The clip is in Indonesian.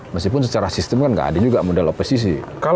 meskipun secara sistem kan gak ada juga modal opesi sih